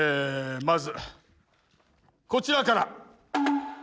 まずこちらから。